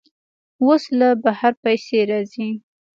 اوس له بهر پیسې راځي.